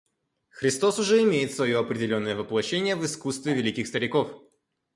Христос уже имеет свое определенное воплощение в искусстве великих стариков.